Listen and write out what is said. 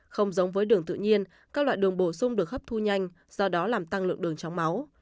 không giống với đường tự nhiên các loại đường bổ sung được hấp thu nhanh do đó làm tăng lượng đường trong máu